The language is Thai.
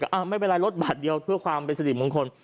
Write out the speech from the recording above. ไม่เป็นไรรถบาทเดียวเพื่อความเป็นสิริมงคล